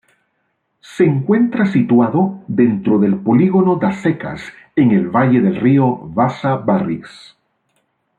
Se encuentra situado dentro del Polígono das Secas en el Valle del río Vaza-Barris.